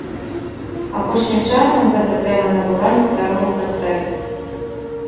Апошнім часам гэта тэма набыла нездаровы падтэкст.